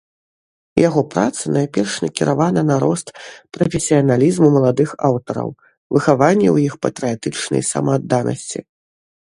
Яго праца найперш накіравана на рост прафесіяналізму маладых аўтараў, выхаванне ў іх патрыятычнай самаадданасці.